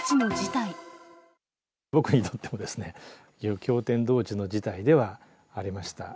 僕にとってもですね、驚天動地の事態ではありました。